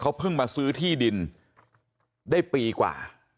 เขาเพิ่งมาซื้อที่ดินได้ปีกว่า